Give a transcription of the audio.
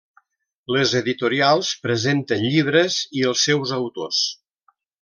Les editorials presenten llibres i els seus autors.